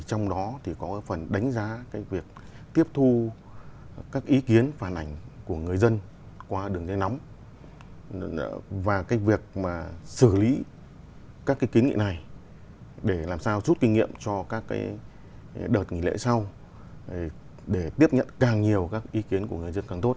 trong đó có phần đánh giá việc tiếp thu các ý kiến phản ảnh của người dân qua đường dây nóng và việc xử lý các kiến nghị này để làm sao rút kinh nghiệm cho các đợt nghỉ lễ sau để tiếp nhận càng nhiều các ý kiến của người dân càng tốt